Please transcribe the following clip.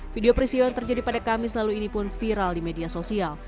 video peristiwa yang terjadi pada kamis lalu ini pun viral di media sosial